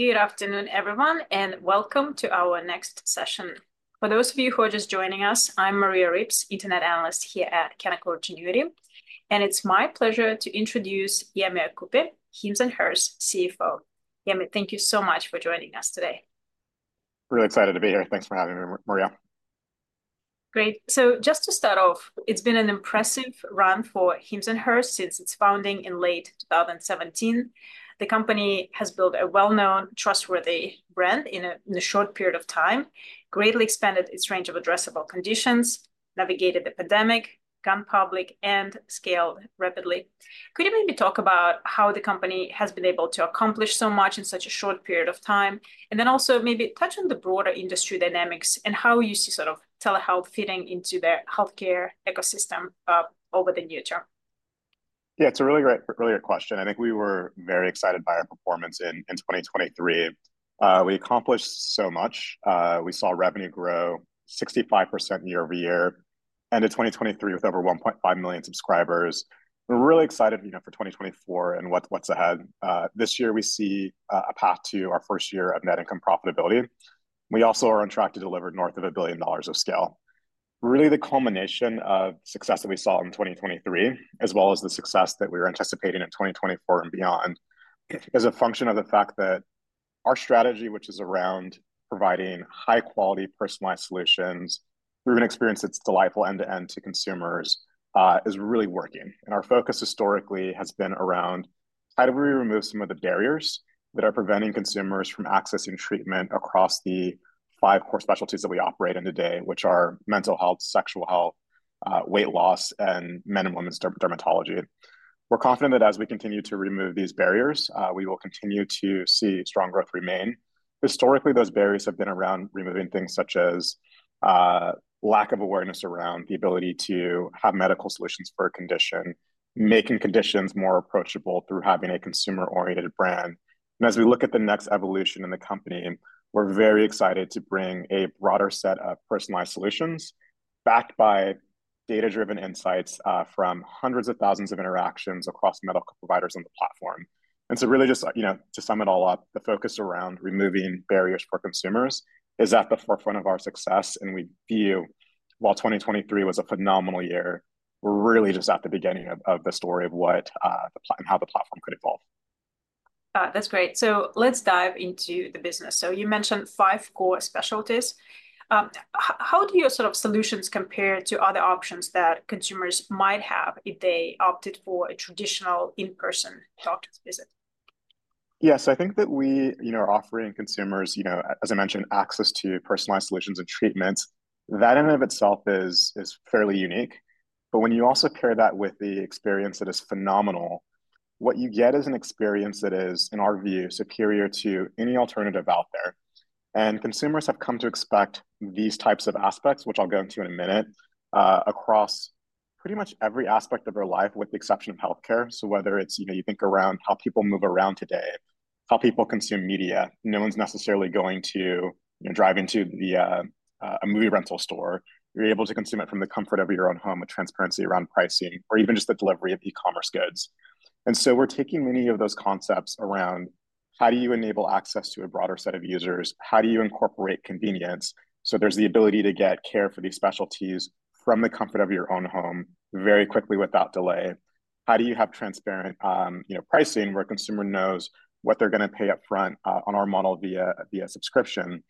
Good afternoon, everyone, and welcome to our next session. For those of you who are just joining us, I'm Maria Ripps, Internet Analyst here at Canaccord Genuity, and it's my pleasure to introduce Yemi Okupe, Hims & Hers CFO. Yemi, thank you so much for joining us today. Really excited to be here. Thanks for having me, Maria. Great. So just to start off, it's been an impressive run for Hims & Hers since its founding in late 2017. The company has built a well-known, trustworthy brand in a short period of time, greatly expanded its range of addressable conditions, navigated the pandemic, gone public, and scaled rapidly. Could you maybe talk about how the company has been able to accomplish so much in such a short period of time, and then also maybe touch on the broader industry dynamics and how you see sort of telehealth fitting into their healthcare ecosystem over the near term? Yeah, it's a really great question. I think we were very excited by our performance in 2023. We accomplished so much. We saw revenue grow 65% year-over-year, ended 2023 with over 1.5 million subscribers. We're really excited for 2024 and what's ahead. This year we see a path to our first year of net income profitability. We also are on track to deliver north of $1 billion of scale. Really, the culmination of success that we saw in 2023, as well as the success that we were anticipating in 2024 and beyond, is a function of the fact that our strategy, which is around providing high-quality, personalized solutions through an experience that's delightful end-to-end to consumers, is really working. Our focus historically has been around how do we remove some of the barriers that are preventing consumers from accessing treatment across the five core specialties that we operate in today, which are mental health, sexual health, weight loss, and men and women's dermatology. We're confident that as we continue to remove these barriers, we will continue to see strong growth remain. Historically, those barriers have been around removing things such as lack of awareness around the ability to have medical solutions for a condition, making conditions more approachable through having a consumer-oriented brand. As we look at the next evolution in the company, we're very excited to bring a broader set of personalized solutions backed by data-driven insights from hundreds of thousands of interactions across medical providers on the platform. Really just to sum it all up, the focus around removing barriers for consumers is at the forefront of our success. We view, while 2023 was a phenomenal year, we're really just at the beginning of the story of how the platform could evolve. That's great. So let's dive into the business. So you mentioned five core specialties. How do your sort of solutions compare to other options that consumers might have if they opted for a traditional in-person doctor's visit? Yeah, so I think that we are offering consumers, as I mentioned, access to personalized solutions and treatments. That in and of itself is fairly unique. But when you also pair that with the experience that is phenomenal, what you get is an experience that is, in our view, superior to any alternative out there. And consumers have come to expect these types of aspects, which I'll go into in a minute, across pretty much every aspect of their life, with the exception of healthcare. So whether it's you think around how people move around today, how people consume media, no one's necessarily going to drive into a movie rental store. You're able to consume it from the comfort of your own home with transparency around pricing, or even just the delivery of e-commerce goods. And so we're taking many of those concepts around how do you enable access to a broader set of users? How do you incorporate convenience so there's the ability to get care for these specialties from the comfort of your own home very quickly without delay? How do you have transparent pricing where a consumer knows what they're going to pay upfront on our model via subscription?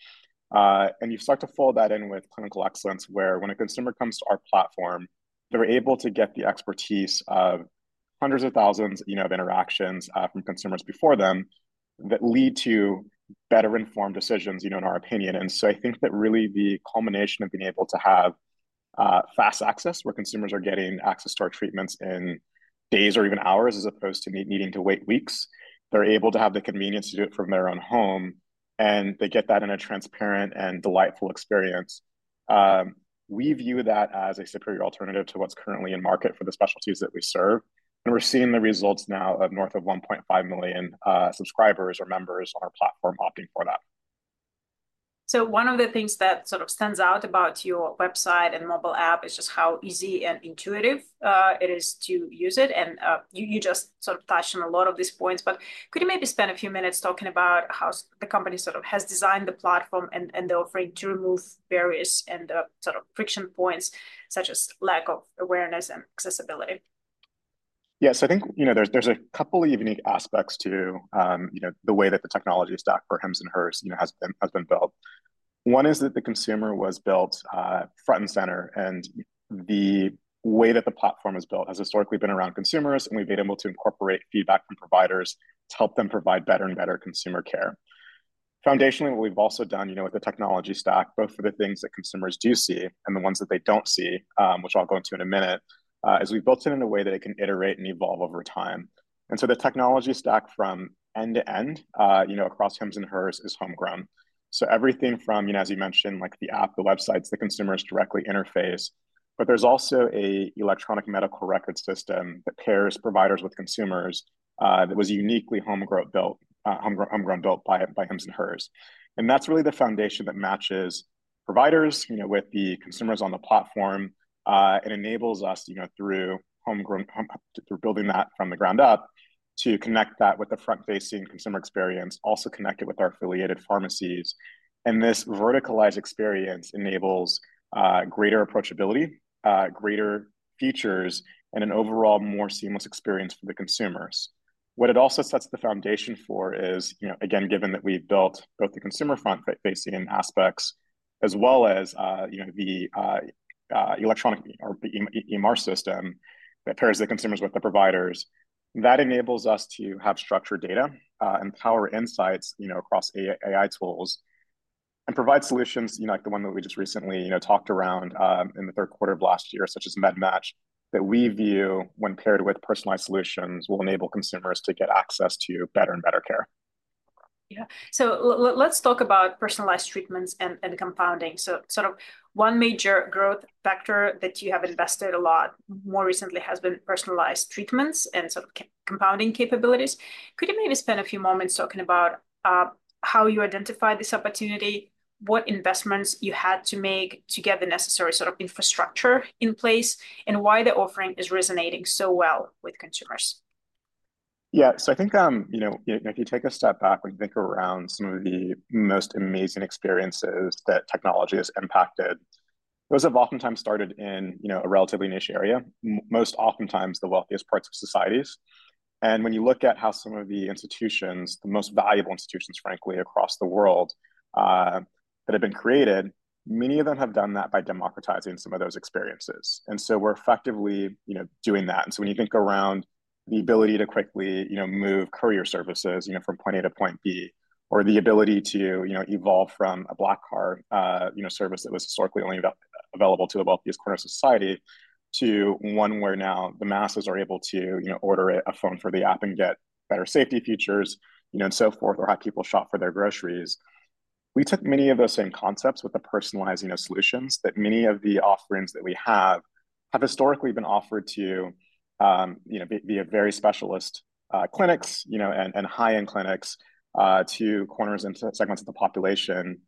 And you start to fold that in with clinical excellence where when a consumer comes to our platform, they're able to get the expertise of hundreds of thousands of interactions from consumers before them that lead to better-informed decisions, in our opinion. And so I think that really the culmination of being able to have fast access, where consumers are getting access to our treatments in days or even hours as opposed to needing to wait weeks, they're able to have the convenience to do it from their own home, and they get that in a transparent and delightful experience. We view that as a superior alternative to what's currently in market for the specialties that we serve. And we're seeing the results now of north of 1.5 million subscribers or members on our platform opting for that. One of the things that sort of stands out about your website and mobile app is just how easy and intuitive it is to use it. You just sort of touched on a lot of these points. But could you maybe spend a few minutes talking about how the company sort of has designed the platform and the offering to remove barriers and sort of friction points such as lack of awareness and accessibility? Yeah, so I think there's a couple of unique aspects to the way that the technology stack for Hims & Hers has been built. One is that the consumer was built front and center. The way that the platform was built has historically been around consumers, and we've been able to incorporate feedback from providers to help them provide better and better consumer care. Foundationally, what we've also done with the technology stack, both for the things that consumers do see and the ones that they don't see, which I'll go into in a minute, is we've built it in a way that it can iterate and evolve over time. So the technology stack from end to end across Hims & Hers is homegrown. So everything from, as you mentioned, the app, the websites, the consumers directly interface. But there's also an electronic medical record system that pairs providers with consumers that was uniquely homegrown built by Hims & Hers. And that's really the foundation that matches providers with the consumers on the platform and enables us, through building that from the ground up, to connect that with the front-facing consumer experience, also connect it with our affiliated pharmacies. And this verticalized experience enables greater approachability, greater features, and an overall more seamless experience for the consumers. What it also sets the foundation for is, again, given that we've built both the consumer front-facing aspects as well as the electronic EMR system that pairs the consumers with the providers, that enables us to have structured data and power insights across AI tools and provide solutions like the one that we just recently talked around in the third quarter of last year, such as MedMatch, that we view, when paired with personalized solutions, will enable consumers to get access to better and better care. Yeah. So let's talk about personalized treatments and compounding. So sort of one major growth factor that you have invested a lot more recently has been personalized treatments and sort of compounding capabilities. Could you maybe spend a few moments talking about how you identified this opportunity, what investments you had to make to get the necessary sort of infrastructure in place, and why the offering is resonating so well with consumers? Yeah, so I think if you take a step back and think around some of the most amazing experiences that technology has impacted, those have oftentimes started in a relatively niche area, most oftentimes the wealthiest parts of societies. And when you look at how some of the institutions, the most valuable institutions, frankly, across the world that have been created, many of them have done that by democratizing some of those experiences. And so we're effectively doing that. When you think around the ability to quickly move courier services from point A to point B, or the ability to evolve from a black card service that was historically only available to the wealthiest corner of society to one where now the masses are able to order a phone for the app and get better safety features and so forth, or have people shop for their groceries, we took many of those same concepts with the personalizing solutions that many of the offerings that we have have historically been offered to be at very specialist clinics and high-end clinics to corners and segments of the population.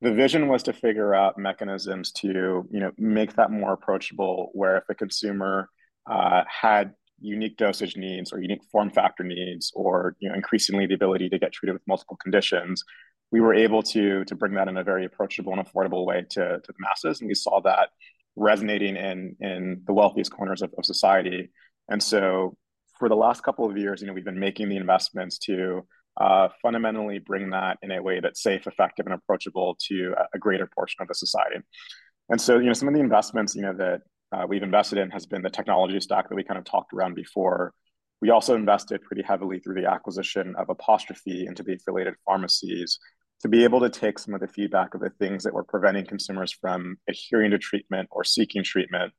The vision was to figure out mechanisms to make that more approachable where if a consumer had unique dosage needs or unique form factor needs or increasingly the ability to get treated with multiple conditions, we were able to bring that in a very approachable and affordable way to the masses. We saw that resonating in the wealthiest corners of society. For the last couple of years, we've been making the investments to fundamentally bring that in a way that's safe, effective, and approachable to a greater portion of the society. Some of the investments that we've invested in has been the technology stack that we kind of talked around before. We also invested pretty heavily through the acquisition of Apostrophe into the affiliated pharmacies to be able to take some of the feedback of the things that were preventing consumers from adhering to treatment or seeking treatment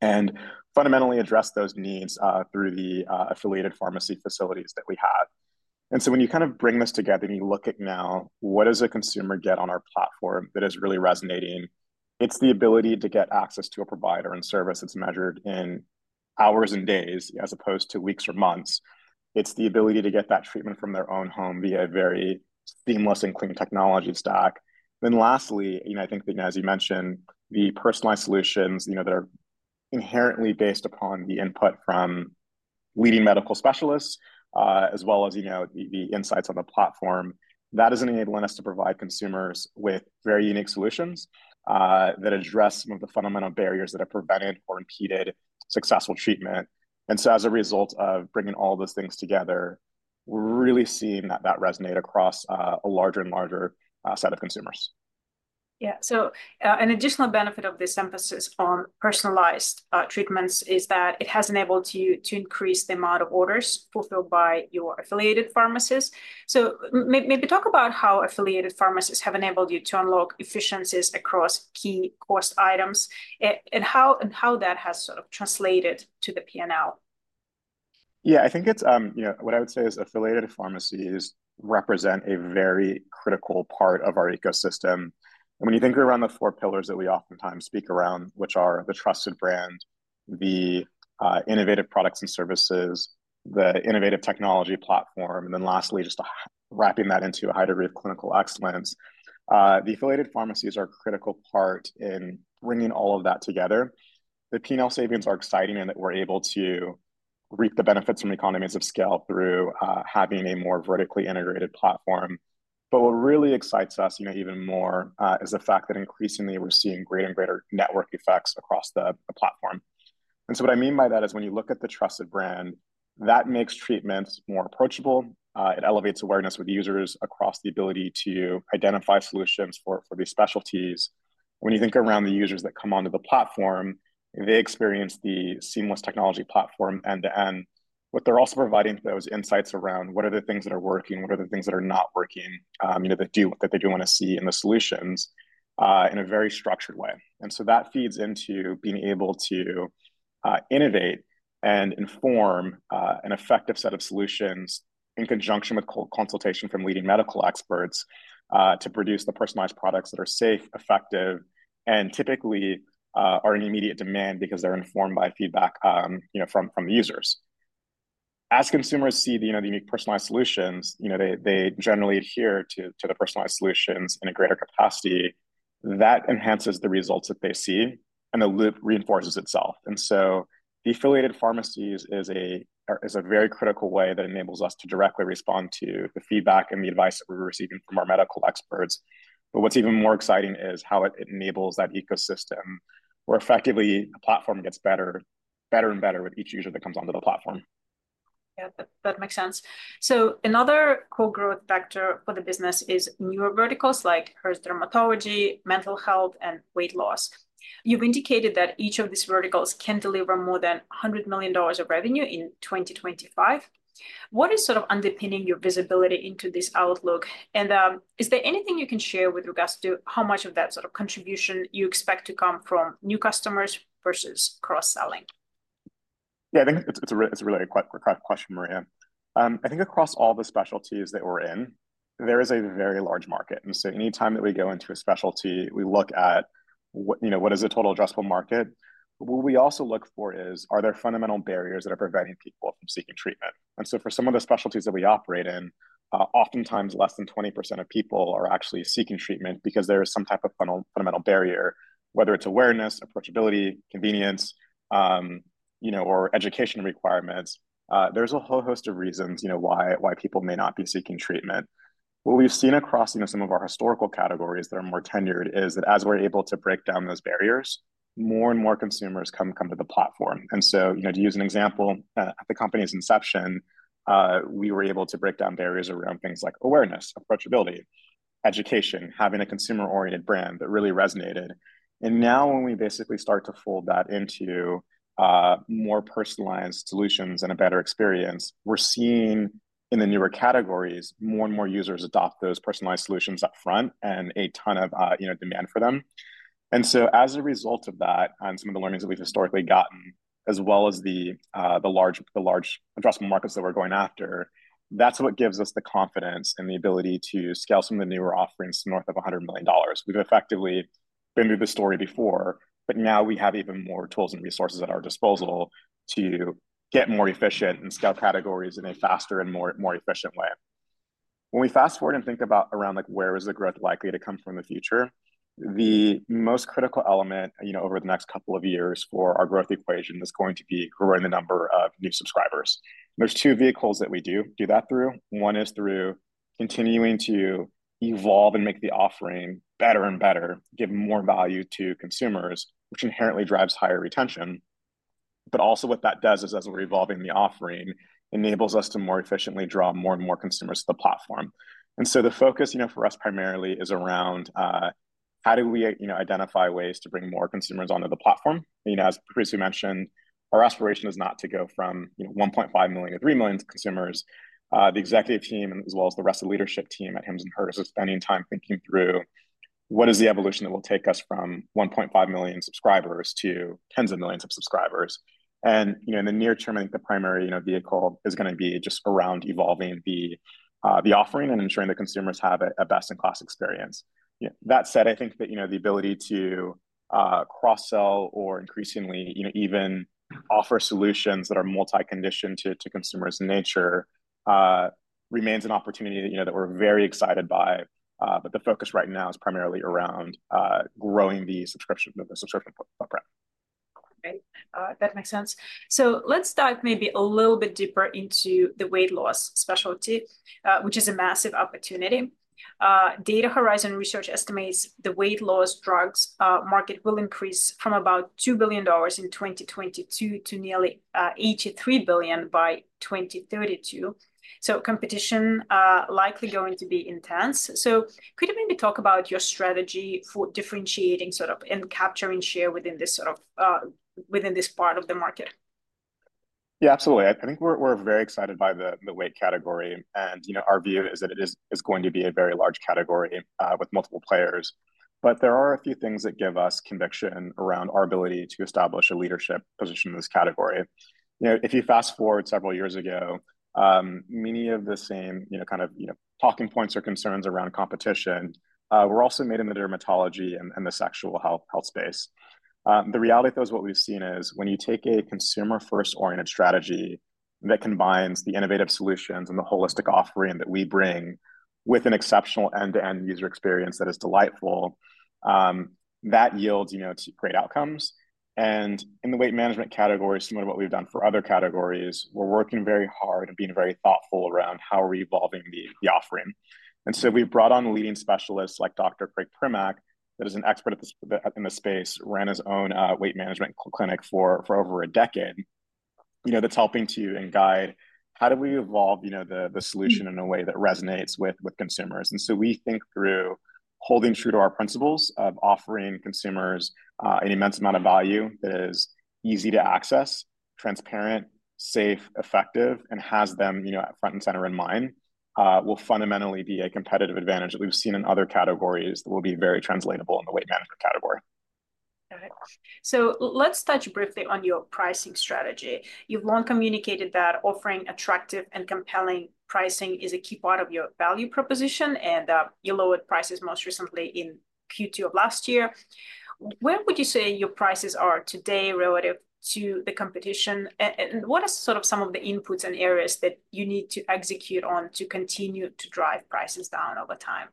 and fundamentally address those needs through the affiliated pharmacy facilities that we have. So when you kind of bring this together and you look at now, what does a consumer get on our platform that is really resonating? It's the ability to get access to a provider and service that's measured in hours and days as opposed to weeks or months. It's the ability to get that treatment from their own home via a very seamless and clean technology stack. Then lastly, I think that, as you mentioned, the personalized solutions that are inherently based upon the input from leading medical specialists as well as the insights on the platform, that is going to enable us to provide consumers with very unique solutions that address some of the fundamental barriers that have prevented or impeded successful treatment. And so as a result of bringing all those things together, we're really seeing that resonate across a larger and larger set of consumers. Yeah. So an additional benefit of this emphasis on personalized treatments is that it has enabled you to increase the amount of orders fulfilled by your affiliated pharmacies. So maybe talk about how affiliated pharmacies have enabled you to unlock efficiencies across key cost items and how that has sort of translated to the P&L. Yeah, I think what I would say is affiliated pharmacies represent a very critical part of our ecosystem. And when you think around the four pillars that we oftentimes speak around, which are the trusted brand, the innovative products and services, the innovative technology platform, and then lastly, just wrapping that into a high degree of clinical excellence, the affiliated pharmacies are a critical part in bringing all of that together. The P&L savings are exciting in that we're able to reap the benefits from economies of scale through having a more vertically integrated platform. But what really excites us even more is the fact that increasingly, we're seeing greater and greater network effects across the platform. And so what I mean by that is when you look at the trusted brand, that makes treatments more approachable. It elevates awareness with users across the ability to identify solutions for these specialties. When you think around the users that come onto the platform, they experience the seamless technology platform end to end, but they're also providing those insights around what are the things that are working, what are the things that are not working, that they do want to see in the solutions in a very structured way. And so that feeds into being able to innovate and inform an effective set of solutions in conjunction with consultation from leading medical experts to produce the personalized products that are safe, effective, and typically are in immediate demand because they're informed by feedback from the users. As consumers see the unique personalized solutions, they generally adhere to the personalized solutions in a greater capacity. That enhances the results that they see, and the loop reinforces itself. And so the affiliated pharmacies is a very critical way that enables us to directly respond to the feedback and the advice that we're receiving from our medical experts. But what's even more exciting is how it enables that ecosystem where effectively, the platform gets better and better with each user that comes onto the platform. Yeah, that makes sense. So another core growth factor for the business is newer verticals like Hers dermatology, mental health, and weight loss. You've indicated that each of these verticals can deliver more than $100 million of revenue in 2025. What is sort of underpinning your visibility into this outlook? And is there anything you can share with regards to how much of that sort of contribution you expect to come from new customers versus cross-selling? Yeah, I think it's a really quick question, Maria. I think across all the specialties that we're in, there is a very large market. And so anytime that we go into a specialty, we look at what is the total addressable market. What we also look for is, are there fundamental barriers that are preventing people from seeking treatment? And so for some of the specialties that we operate in, oftentimes less than 20% of people are actually seeking treatment because there is some type of fundamental barrier, whether it's awareness, approachability, convenience, or education requirements. There's a whole host of reasons why people may not be seeking treatment. What we've seen across some of our historical categories that are more tenured is that as we're able to break down those barriers, more and more consumers come to the platform. So to use an example, at the company's inception, we were able to break down barriers around things like awareness, approachability, education, having a consumer-oriented brand that really resonated. Now when we basically start to fold that into more personalized solutions and a better experience, we're seeing in the newer categories, more and more users adopt those personalized solutions upfront and a ton of demand for them. So as a result of that and some of the learnings that we've historically gotten, as well as the large addressable markets that we're going after, that's what gives us the confidence and the ability to scale some of the newer offerings north of $100 million. We've effectively been through the story before, but now we have even more tools and resources at our disposal to get more efficient and scale categories in a faster and more efficient way. When we fast forward and think about around where is the growth likely to come from in the future, the most critical element over the next couple of years for our growth equation is going to be growing the number of new subscribers. And there's two vehicles that we do do that through. One is through continuing to evolve and make the offering better and better, give more value to consumers, which inherently drives higher retention. But also what that does is, as we're evolving the offering, enables us to more efficiently draw more and more consumers to the platform. And so the focus for us primarily is around how do we identify ways to bring more consumers onto the platform? As previously mentioned, our aspiration is not to go from 1.5 million to three million consumers. The executive team, as well as the rest of the leadership team at Hims & Hers is spending time thinking through what is the evolution that will take us from 1.5 million subscribers to tens of millions of subscribers. In the near term, I think the primary vehicle is going to be just around evolving the offering and ensuring that consumers have a best-in-class experience. That said, I think that the ability to cross-sell or increasingly even offer solutions that are multi-conditioned to consumer's nature remains an opportunity that we're very excited by. The focus right now is primarily around growing the subscription footprint. Okay. That makes sense. So let's dive maybe a little bit deeper into the weight loss specialty, which is a massive opportunity. DataHorizzon Research estimates the weight loss drugs market will increase from about $2 billion in 2022 to nearly $83 billion by 2032. So competition likely going to be intense. So could you maybe talk about your strategy for differentiating sort of and capturing share within this sort of part of the market? Yeah, absolutely. I think we're very excited by the weight category. Our view is that it is going to be a very large category with multiple players. There are a few things that give us conviction around our ability to establish a leadership position in this category. If you fast forward several years ago, many of the same kind of talking points or concerns around competition were also made in the dermatology and the sexual health space. The reality of those, what we've seen is when you take a consumer-first-oriented strategy that combines the innovative solutions and the holistic offering that we bring with an exceptional end-to-end user experience that is delightful, that yields great outcomes. In the weight management category, similar to what we've done for other categories, we're working very hard and being very thoughtful around how we're evolving the offering. We've brought on leading specialists like Dr. Craig Primack that is an expert in the space, ran his own weight management clinic for over a decade that's helping to guide how do we evolve the solution in a way that resonates with consumers. We think through holding true to our principles of offering consumers an immense amount of value that is easy to access, transparent, safe, effective, and has them front and center in mind will fundamentally be a competitive advantage that we've seen in other categories that will be very translatable in the weight management category. Got it. So let's touch briefly on your pricing strategy. You've long communicated that offering attractive and compelling pricing is a key part of your value proposition, and you lowered prices most recently in Q2 of last year. Where would you say your prices are today relative to the competition? And what are sort of some of the inputs and areas that you need to execute on to continue to drive prices down over time?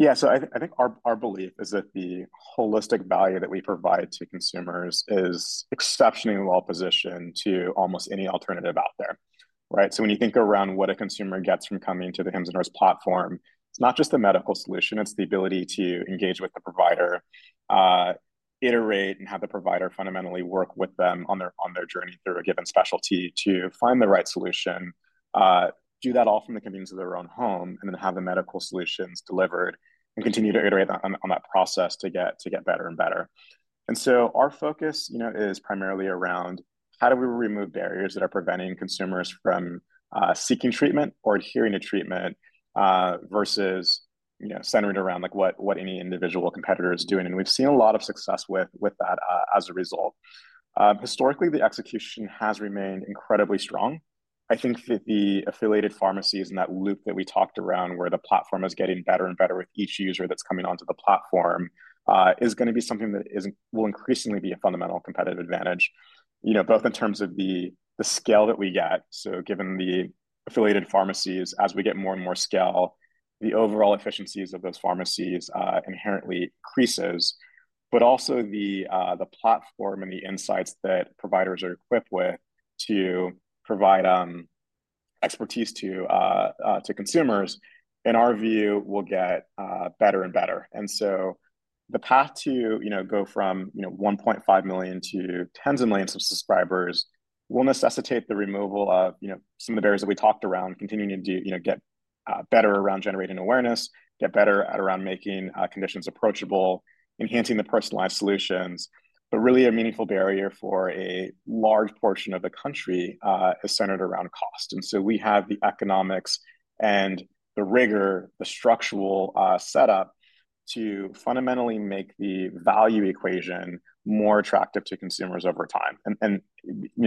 Yeah, so I think our belief is that the holistic value that we provide to consumers is exceptionally well positioned to almost any alternative out there, right? So when you think around what a consumer gets from coming to the Hims & Hers platform, it's not just the medical solution. It's the ability to engage with the provider, iterate, and have the provider fundamentally work with them on their journey through a given specialty to find the right solution, do that all from the convenience of their own home, and then have the medical solutions delivered, and continue to iterate on that process to get better and better. And so our focus is primarily around how do we remove barriers that are preventing consumers from seeking treatment or adhering to treatment versus centering it around what any individual competitor is doing? We've seen a lot of success with that as a result. Historically, the execution has remained incredibly strong. I think that the affiliated pharmacies and that loop that we talked around where the platform is getting better and better with each user that's coming onto the platform is going to be something that will increasingly be a fundamental competitive advantage, both in terms of the scale that we get. Given the affiliated pharmacies, as we get more and more scale, the overall efficiencies of those pharmacies inherently increases, but also the platform and the insights that providers are equipped with to provide expertise to consumers, in our view, will get better and better. The path to go from 1.5 million to tens of millions of subscribers will necessitate the removal of some of the barriers that we talked around, continuing to get better around generating awareness, get better at around making conditions approachable, enhancing the personalized solutions. But really, a meaningful barrier for a large portion of the country is centered around cost. We have the economics and the rigor, the structural setup to fundamentally make the value equation more attractive to consumers over time.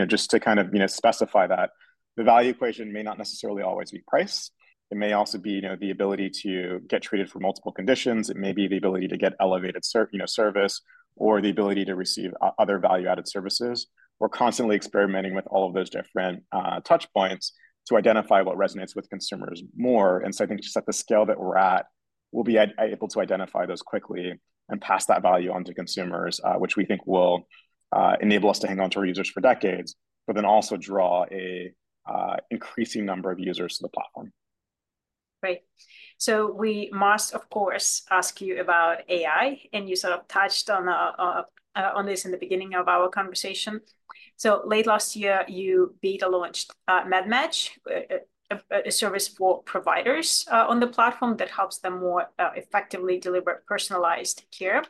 Just to kind of specify that, the value equation may not necessarily always be price. It may also be the ability to get treated for multiple conditions. It may be the ability to get elevated service or the ability to receive other value-added services. We're constantly experimenting with all of those different touchpoints to identify what resonates with consumers more. And so I think just at the scale that we're at, we'll be able to identify those quickly and pass that value on to consumers, which we think will enable us to hang on to our users for decades, but then also draw an increasing number of users to the platform. Great. So we must, of course, ask you about AI. And you sort of touched on this in the beginning of our conversation. So late last year, you beta and launched MedMatch, a service for providers on the platform that helps them more effectively deliver personalized care.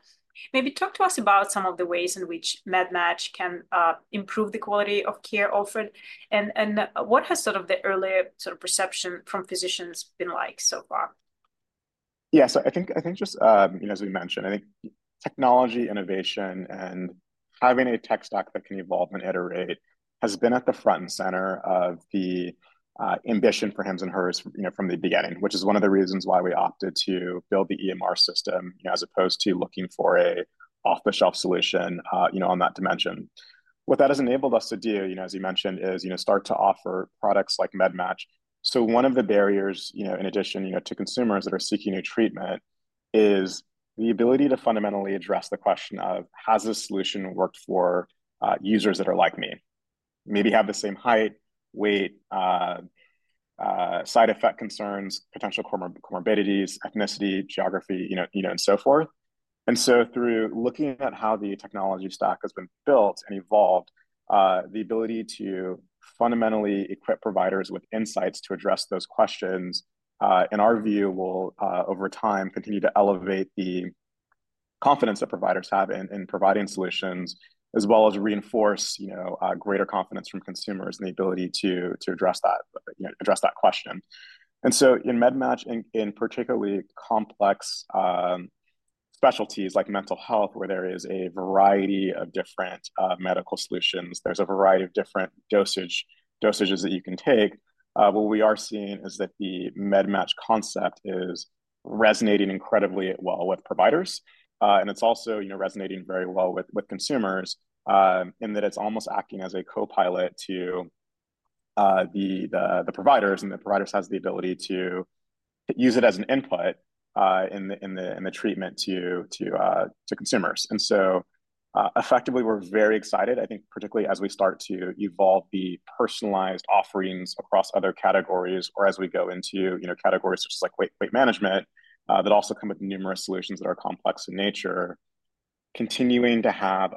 Maybe talk to us about some of the ways in which MedMatch can improve the quality of care offered. And what has sort of the earlier sort of perception from physicians been like so far? Yeah, so I think just as we mentioned, I think technology, innovation, and having a tech stack that can evolve and iterate has been at the front and center of the ambition for Hims & Hers from the beginning, which is one of the reasons why we opted to build the EMR system as opposed to looking for an off-the-shelf solution on that dimension. What that has enabled us to do, as you mentioned, is start to offer products like MedMatch. So one of the barriers, in addition to consumers that are seeking new treatment, is the ability to fundamentally address the question of, has this solution worked for users that are like me? Maybe have the same height, weight, side effect concerns, potential comorbidities, ethnicity, geography, and so forth. Through looking at how the technology stack has been built and evolved, the ability to fundamentally equip providers with insights to address those questions, in our view, will over time continue to elevate the confidence that providers have in providing solutions, as well as reinforce greater confidence from consumers in the ability to address that question. In MedMatch, in particular complex specialties like mental health, where there is a variety of different medical solutions, there's a variety of different dosages that you can take, what we are seeing is that the MedMatch concept is resonating incredibly well with providers. It's also resonating very well with consumers in that it's almost acting as a co-pilot to the providers. The providers have the ability to use it as an input in the treatment to consumers. And so effectively, we're very excited, I think, particularly as we start to evolve the personalized offerings across other categories or as we go into categories such as weight management that also come with numerous solutions that are complex in nature, continuing to have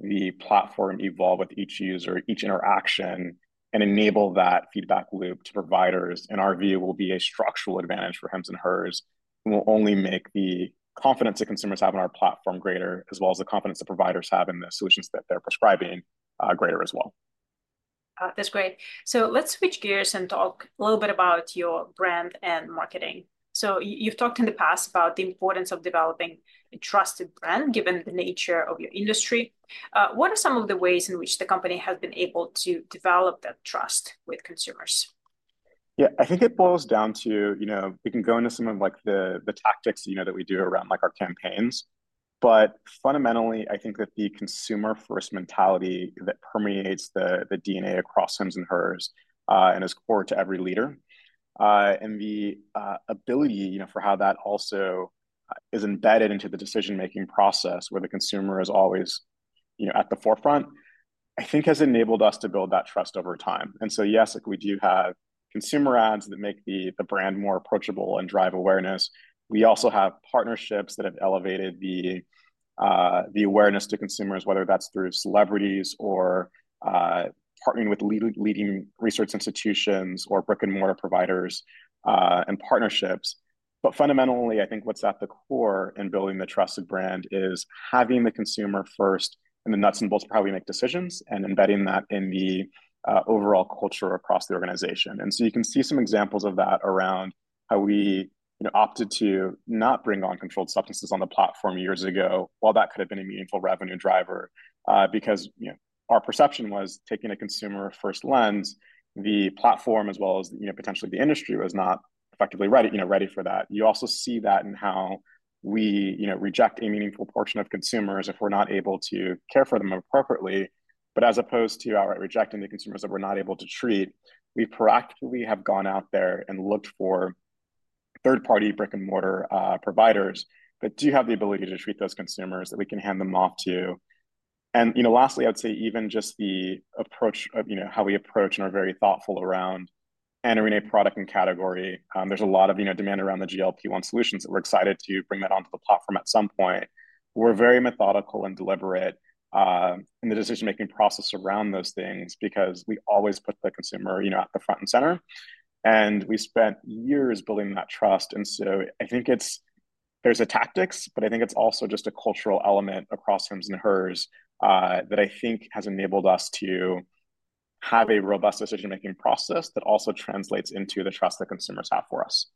the platform evolve with each user, each interaction, and enable that feedback loop to providers, in our view, will be a structural advantage for Hims & Hers and will only make the confidence that consumers have in our platform greater, as well as the confidence that providers have in the solutions that they're prescribing greater as well. That's great. So let's switch gears and talk a little bit about your brand and marketing. So you've talked in the past about the importance of developing a trusted brand given the nature of your industry. What are some of the ways in which the company has been able to develop that trust with consumers? Yeah, I think it boils down to we can go into some of the tactics that we do around our campaigns. But fundamentally, I think that the consumer-first mentality that permeates the DNA across Hims & Hers Health and is core to every leader and the ability for how that also is embedded into the decision-making process where the consumer is always at the forefront, I think, has enabled us to build that trust over time. And so yes, we do have consumer ads that make the brand more approachable and drive awareness. We also have partnerships that have elevated the awareness to consumers, whether that's through celebrities or partnering with leading research institutions or brick-and-mortar providers and partnerships. But fundamentally, I think what's at the core in building the trusted brand is having the consumer first in the nuts and bolts of how we make decisions and embedding that in the overall culture across the organization. And so you can see some examples of that around how we opted to not bring controlled substances on the platform years ago while that could have been a meaningful revenue driver because our perception was, taking a consumer-first lens, the platform, as well as potentially the industry, was not effectively ready for that. You also see that in how we reject a meaningful portion of consumers if we're not able to care for them appropriately. But as opposed to rejecting the consumers that we're not able to treat, we proactively have gone out there and looked for third-party brick-and-mortar providers that do have the ability to treat those consumers that we can hand them off to. And lastly, I would say even just the approach of how we approach and are very thoughtful around entering a product and category, there's a lot of demand around the GLP-1 solutions that we're excited to bring that onto the platform at some point. We're very methodical and deliberate in the decision-making process around those things because we always put the consumer at the front and center. And we spent years building that trust. And so I think there's a tactics, but I think it's also just a cultural element across Hims & Hers that I think has enabled us to have a robust decision-making process that also translates into the trust that consumers have for us.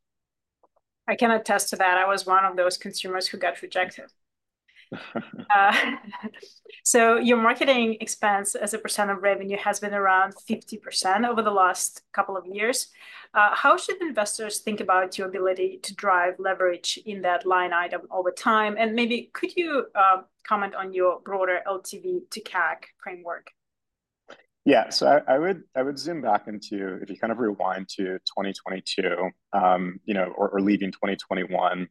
I cannot attest to that. I was one of those consumers who got rejected. So your marketing expense as a percent of revenue has been around 50% over the last couple of years. How should investors think about your ability to drive leverage in that line item over time? And maybe could you comment on your broader LTV to CAC framework? Yeah, so I would zoom back into if you kind of rewind to 2022 or leaving 2021.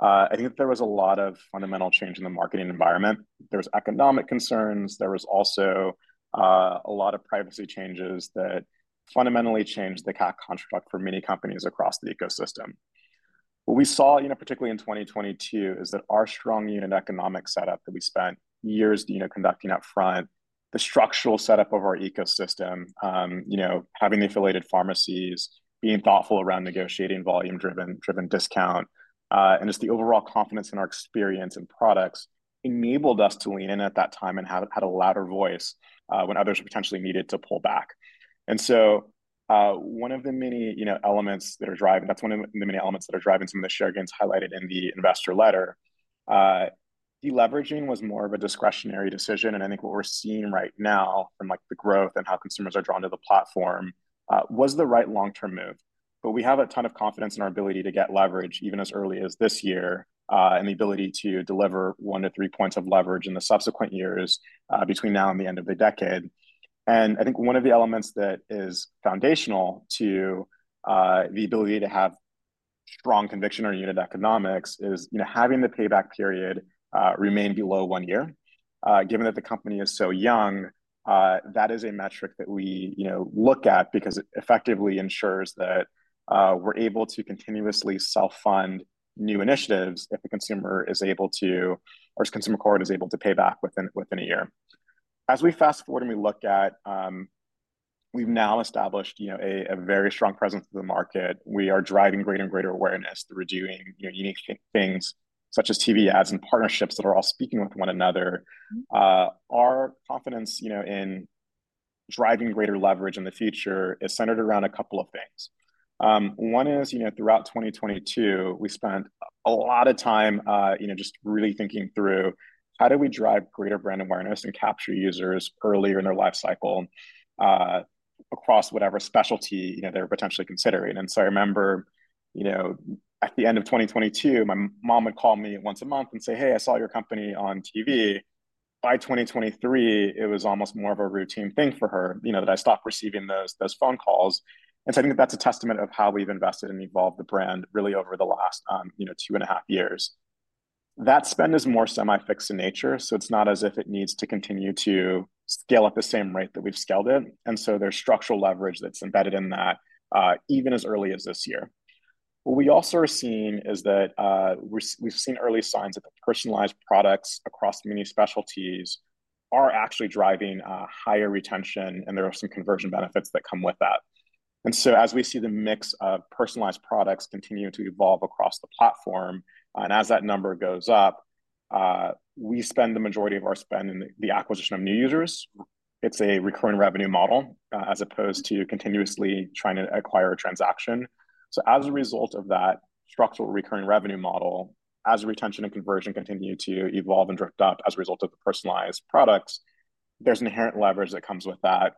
I think that there was a lot of fundamental change in the marketing environment. There was economic concerns. There was also a lot of privacy changes that fundamentally changed the CAC contract for many companies across the ecosystem. What we saw, particularly in 2022, is that our strong unit economic setup that we spent years conducting upfront, the structural setup of our ecosystem, having the affiliated pharmacies, being thoughtful around negotiating volume-driven discount, and just the overall confidence in our experience and products enabled us to lean in at that time and had a louder voice when others potentially needed to pull back. And so one of the many elements that are driving. That's one of the many elements that are driving some of the share gains highlighted in the investor letter. Dileveraging was more of a discretionary decision. I think what we're seeing right now from the growth and how consumers are drawn to the platform was the right long-term move. We have a ton of confidence in our ability to get leverage even as early as this year and the ability to deliver one to three points of leverage in the subsequent years between now and the end of the decade. I think one of the elements that is foundational to the ability to have strong conviction or unit economics is having the payback period remain below one year. Given that the company is so young, that is a metric that we look at because it effectively ensures that we're able to continuously self-fund new initiatives if the consumer is able to or if consumer cohort is able to pay back within a year. As we fast-forward and we look at, we've now established a very strong presence in the market. We are driving greater and greater awareness through doing unique things such as TV ads and partnerships that are all speaking with one another. Our confidence in driving greater leverage in the future is centered around a couple of things. One is, throughout 2022, we spent a lot of time just really thinking through, how do we drive greater brand awareness and capture users earlier in their life cycle across whatever specialty they're potentially considering? And so I remember at the end of 2022, my mom would call me once a month and say, "Hey, I saw your company on TV." By 2023, it was almost more of a routine thing for her that I stopped receiving those phone calls. And so I think that that's a testament of how we've invested and evolved the brand really over the last two and a half years. That spend is more semi-fixed in nature. So it's not as if it needs to continue to scale at the same rate that we've scaled it. And so there's structural leverage that's embedded in that even as early as this year. What we also are seeing is that we've seen early signs that the personalized products across many specialties are actually driving higher retention. And there are some conversion benefits that come with that. And so as we see the mix of personalized products continue to evolve across the platform and as that number goes up, we spend the majority of our spend in the acquisition of new users. It's a recurring revenue model as opposed to continuously trying to acquire a transaction. So as a result of that structural recurring revenue model, as retention and conversion continue to evolve and drift up as a result of the personalized products, there's inherent leverage that comes with that.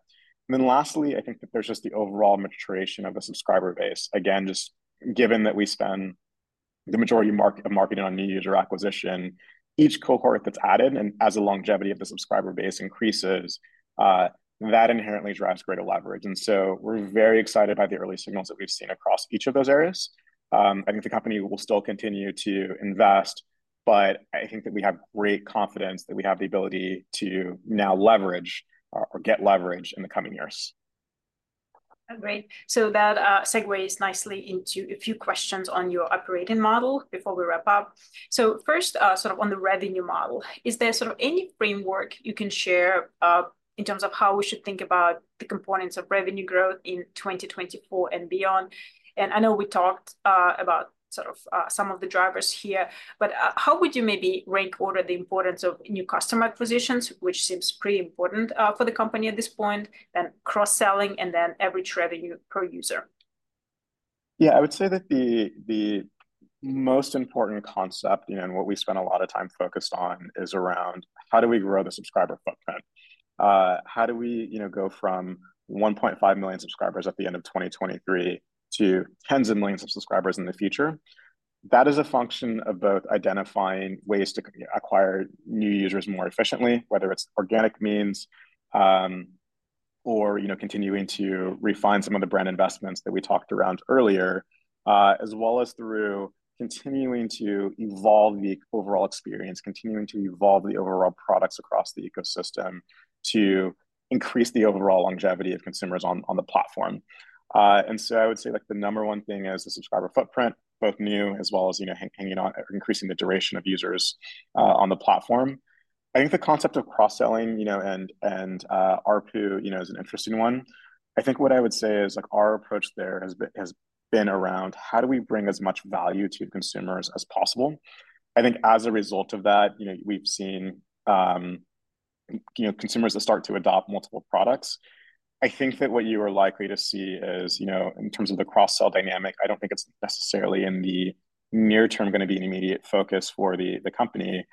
And then lastly, I think that there's just the overall maturation of the subscriber base. Again, just given that we spend the majority of marketing on new user acquisition, each cohort that's added and as the longevity of the subscriber base increases, that inherently drives greater leverage. And so we're very excited by the early signals that we've seen across each of those areas. I think the company will still continue to invest, but I think that we have great confidence that we have the ability to now leverage or get leverage in the coming years. Great. So that segues nicely into a few questions on your operating model before we wrap up. So first, sort of on the revenue model, is there sort of any framework you can share in terms of how we should think about the components of revenue growth in 2024 and beyond? And I know we talked about sort of some of the drivers here, but how would you maybe rank order the importance of new customer acquisitions, which seems pretty important for the company at this point, then cross-selling, and then average revenue per user? Yeah, I would say that the most important concept and what we spend a lot of time focused on is around, how do we grow the subscriber footprint? How do we go from 1.5 million subscribers at the end of 2023 to tens of millions of subscribers in the future? That is a function of both identifying ways to acquire new users more efficiently, whether it's organic means or continuing to refine some of the brand investments that we talked around earlier, as well as through continuing to evolve the overall experience, continuing to evolve the overall products across the ecosystem to increase the overall longevity of consumers on the platform. And so I would say the number one thing is the subscriber footprint, both new as well as hanging on, increasing the duration of users on the platform. I think the concept of cross-selling and ARPU is an interesting one. I think what I would say is our approach there has been around, how do we bring as much value to consumers as possible? I think as a result of that, we've seen consumers that start to adopt multiple products. I think that what you are likely to see is in terms of the cross-sell dynamic, I don't think it's necessarily in the near term going to be an immediate focus for the company.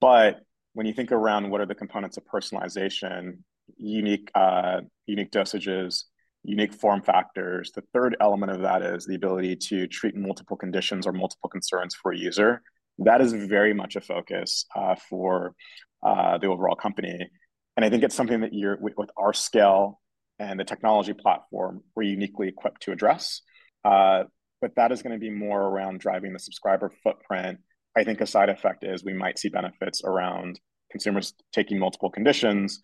But when you think around what are the components of personalization, unique dosages, unique form factors, the third element of that is the ability to treat multiple conditions or multiple concerns for a user. That is very much a focus for the overall company. I think it's something that with our scale and the technology platform, we're uniquely equipped to address. But that is going to be more around driving the subscriber footprint. I think a side effect is we might see benefits around consumers taking multiple conditions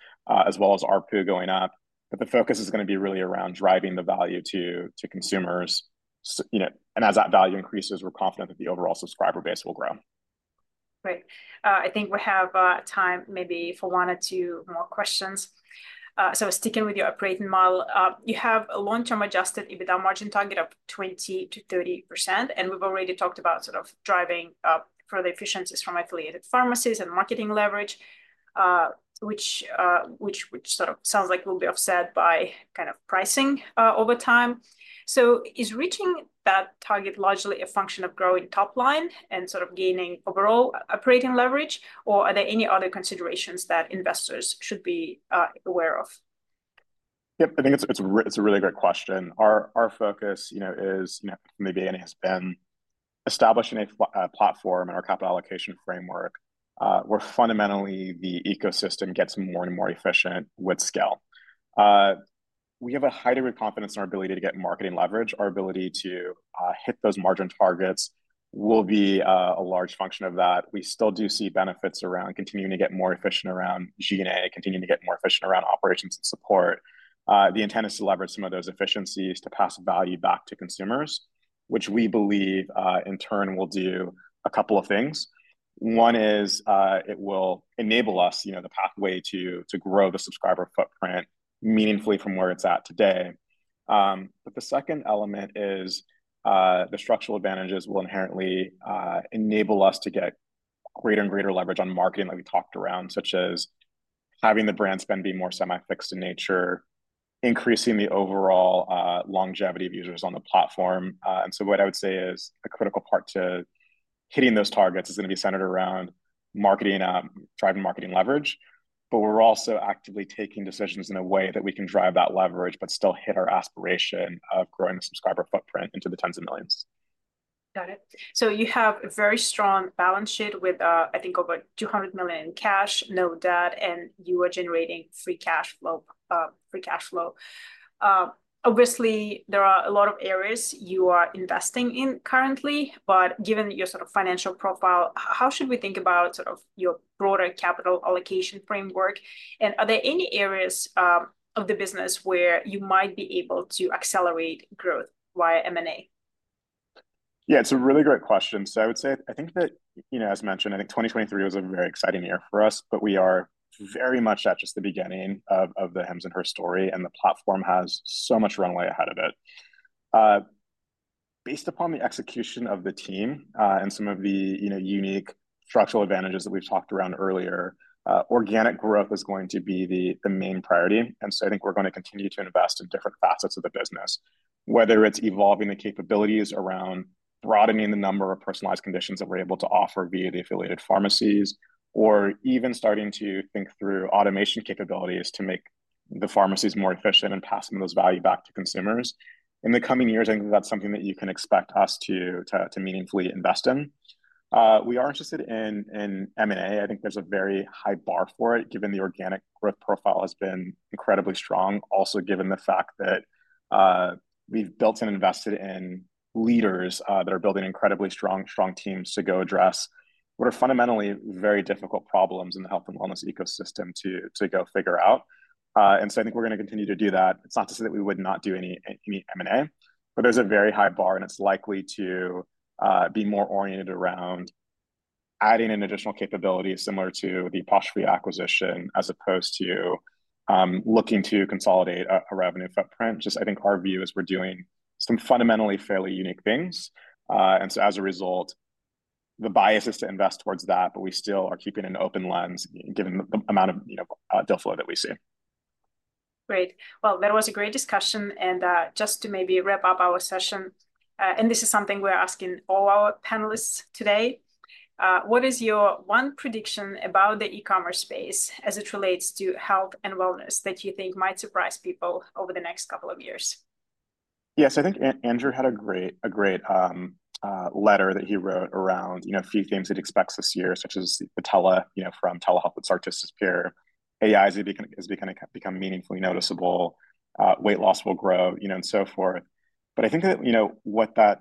as well as ARPU going up. But the focus is going to be really around driving the value to consumers. And as that value increases, we're confident that the overall subscriber base will grow. Great. I think we have time maybe for one or two more questions. So sticking with your operating model, you have a long-term Adjusted EBITDA margin target of 20%-30%. And we've already talked about sort of driving further efficiencies from affiliated pharmacies and marketing leverage, which sort of sounds like will be offset by kind of pricing over time. So is reaching that target largely a function of growing topline and sort of gaining overall operating leverage, or are there any other considerations that investors should be aware of? Yep, I think it's a really great question. Our focus is, as it has been, establishing a platform and our capital allocation framework where fundamentally the ecosystem gets more and more efficient with scale. We have a high degree of confidence in our ability to get marketing leverage. Our ability to hit those margin targets will be a large function of that. We still do see benefits around continuing to get more efficient around G&A, continuing to get more efficient around operations and support. The intent is to leverage some of those efficiencies to pass value back to consumers, which we believe, in turn, will do a couple of things. One is it will enable us the pathway to grow the subscriber footprint meaningfully from where it's at today. But the second element is the structural advantages will inherently enable us to get greater and greater leverage on marketing that we talked around, such as having the brand spend be more semi-fixed in nature, increasing the overall longevity of users on the platform. And so what I would say is a critical part to hitting those targets is going to be centered around driving marketing leverage. But we're also actively taking decisions in a way that we can drive that leverage but still hit our aspiration of growing the subscriber footprint into the tens of millions. Got it. So you have a very strong balance sheet with, I think, over $200 million in cash, no debt, and you are generating free cash flow. Obviously, there are a lot of areas you are investing in currently. But given your sort of financial profile, how should we think about sort of your broader capital allocation framework? And are there any areas of the business where you might be able to accelerate growth via M&A? Yeah, it's a really great question. So I would say I think that, as mentioned, I think 2023 was a very exciting year for us, but we are very much at just the beginning of the Hims & Hers story, and the platform has so much runway ahead of it. Based upon the execution of the team and some of the unique structural advantages that we've talked around earlier, organic growth is going to be the main priority. And so I think we're going to continue to invest in different facets of the business, whether it's evolving the capabilities around broadening the number of personalized conditions that we're able to offer via the affiliated pharmacies or even starting to think through automation capabilities to make the pharmacies more efficient and pass some of those value back to consumers. In the coming years, I think that that's something that you can expect us to meaningfully invest in. We are interested in M&A. I think there's a very high bar for it, given the organic growth profile has been incredibly strong, also given the fact that we've built and invested in leaders that are building incredibly strong teams to go address what are fundamentally very difficult problems in the health and wellness ecosystem to go figure out. And so I think we're going to continue to do that. It's not to say that we would not do any M&A, but there's a very high bar, and it's likely to be more oriented around adding an additional capability similar to the Apostrophe acquisition as opposed to looking to consolidate a revenue footprint. Just, I think our view is we're doing some fundamentally fairly unique things. And so as a result, the bias is to invest towards that, but we still are keeping an open lens given the amount of deal flow that we see. Great. Well, that was a great discussion. Just to maybe wrap up our session, and this is something we're asking all our panelists today, what is your one prediction about the e-commerce space as it relates to health and wellness that you think might surprise people over the next couple of years? Yeah, so I think Andrew had a great letter that he wrote around a few themes he'd expect this year, such as the tele from telehealth with start to disappear, AI is becoming meaningfully noticeable, weight loss will grow, and so forth. But I think that what that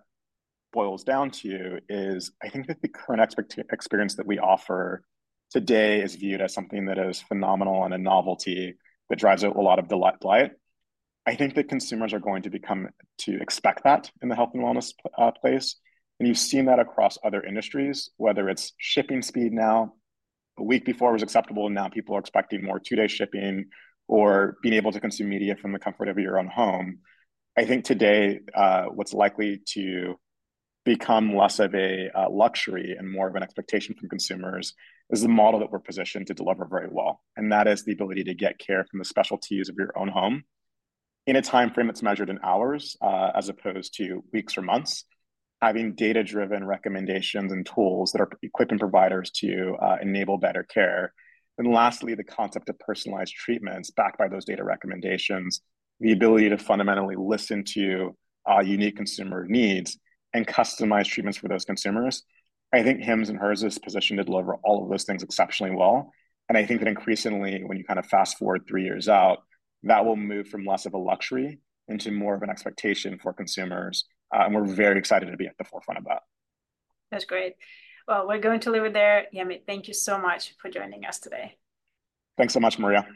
boils down to is I think that the current experience that we offer today is viewed as something that is phenomenal and a novelty that drives a lot of delight. I think that consumers are going to expect that in the health and wellness place. And you've seen that across other industries, whether it's shipping speed now, a week before it was acceptable, and now people are expecting more two-day shipping or being able to consume media from the comfort of your own home. I think today, what's likely to become less of a luxury and more of an expectation from consumers is the model that we're positioned to deliver very well. That is the ability to get care from the specialties of your own home in a time frame that's measured in hours as opposed to weeks or months, having data-driven recommendations and tools that are equipping providers to enable better care. Lastly, the concept of personalized treatments backed by those data recommendations, the ability to fundamentally listen to unique consumer needs and customize treatments for those consumers. I think Hims & Hers is positioned to deliver all of those things exceptionally well. I think that increasingly, when you kind of fast forward three years out, that will move from less of a luxury into more of an expectation for consumers. We're very excited to be at the forefront of that. That's great. Well, we're going to leave it there. Yemi, thank you so much for joining us today. Thanks so much, Maria.